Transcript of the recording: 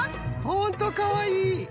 ホントかわいい。